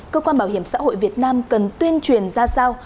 cơ quan bảo hiểm xã hội việt nam cần tuyên truyền ra sao